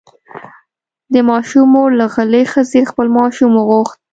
د ماشوم مور له غلې ښځې خپل ماشوم وغوښت.